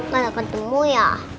gak ketemu ya